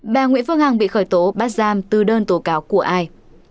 bà nguyễn phương hằng bị khởi tố bắt giam từ đơn tố cáo của ai